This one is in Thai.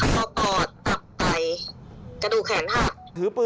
เขาปอดตับใจกระดูกแขนหัก